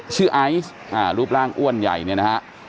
ไอซ์รูปร่างอ้วนใหญ่เนี่ยนะฮะ